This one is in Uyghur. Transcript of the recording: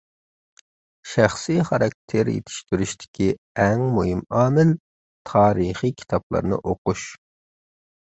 شەخسى خاراكتېر يېتىشتۈرۈشتىكى ئەڭ مۇھىم ئامىل — تارىخىي كىتابلارنى ئوقۇش.